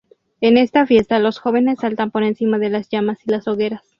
En esta fiesta, los jóvenes saltan por encima de las llamas y las hogueras.